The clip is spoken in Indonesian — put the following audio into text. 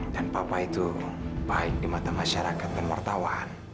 dan papa itu baik di mata masyarakat dan wartawan